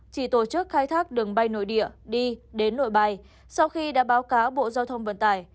chỉ tổ chức khai thác đường bay nội địa đi đến nội bài sau khi đã báo cáo bộ giao thông vận tải